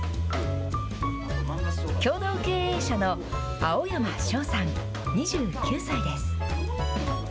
共同経営者の青山祥さん２９歳です。